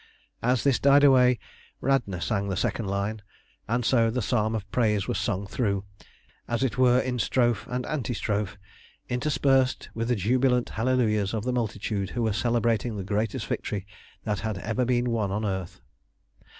As this died away Radna sang the second line, and so the Psalm of Praise was sung through, as it were in strophe and anti strophe, interspersed with the jubilant hallelujahs of the multitude who were celebrating the greatest victory that had ever been won on earth.